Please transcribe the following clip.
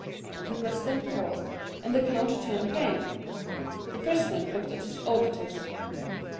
"The president paused, and the count turned pale. The president looked at his auditors.